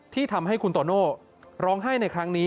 ที่ทำให้คุณโตโน่ร้องไห้ในครั้งนี้